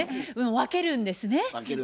分けるんですね。